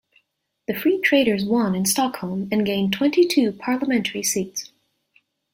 The Free Traders won in Stockholm and gained twenty-two parliamentary seats.